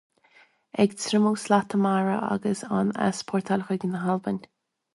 Ag triomú slata mara agus á n-easpórtáil chun na hAlban.